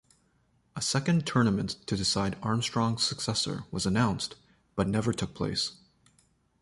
A second tournament to decide Armstrong's successor was announced, but never took place.